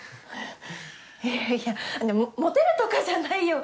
いやいやモテるとかじゃないよ。